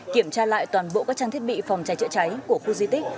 kiểm tra lại toàn bộ các trang thiết bị phòng cháy chữa cháy của khu di tích